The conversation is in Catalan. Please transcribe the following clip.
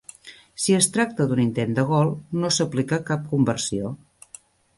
Si es tracta d'un intent de gol, no s'aplica cap conversió.